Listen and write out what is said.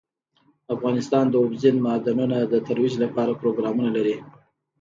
افغانستان د اوبزین معدنونه د ترویج لپاره پروګرامونه لري.